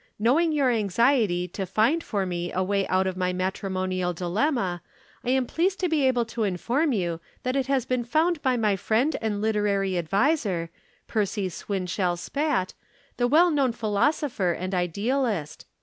Knowing your anxiety to find for me a way out of my matrimonial dilemma, I am pleased to be able to inform you that it has been found by my friend and literary adviser, Percy Swinshel Spatt, the well known philosopher and idealist.